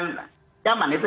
itu yang sama sama